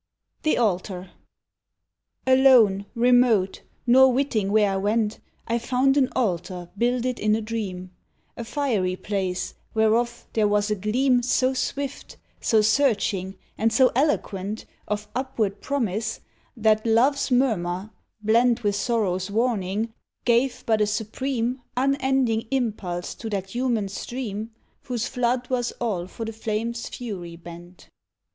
The Altar Alone, remote, nor witting where I went, I found an altar builded in a dream A fiery place, whereof there was a gleam So swift, so searching, and so eloquent Of upward promise, that love's murmur, blent With sorrow's warning, gave but a supreme Unending impulse to that human stream Whose flood was all for the flame's fury bent.